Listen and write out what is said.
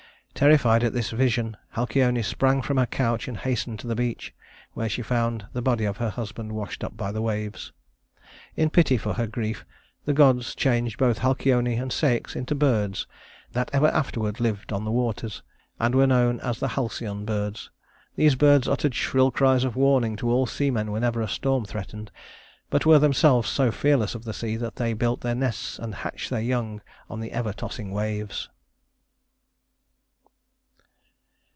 Terrified at this vision, Halcyone sprang from her couch and hastened to the beach, where she found the body of her husband washed up by the waves. In pity for her grief, the gods changed both Halcyone and Ceÿx into birds that ever afterward lived on the waters, and were known as the Halcyon birds. These birds uttered shrill cries of warning to all seamen whenever a storm threatened, but were themselves so fearless of the sea that they built their nests and hatched their young on the ever tossing waves.